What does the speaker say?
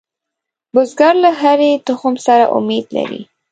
بزګر له هرې تخم سره امید لري